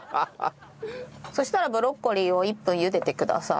そしたらブロッコリーを１分ゆでてください。